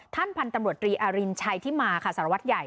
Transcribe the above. ท่านพันธุ์ตำรวจตรีอรินชัยที่มาค่ะสารวัตรใหญ่